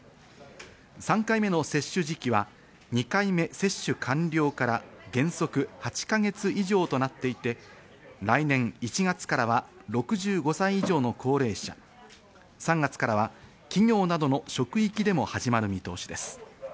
３回目の接種時期は２回目接種完了から原則８か月以上となっていて、来年１月からは６５歳以上の高齢者、３月からは企業などの職域でも始まる見通しです。